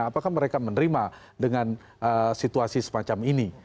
apakah mereka menerima dengan situasi semacam ini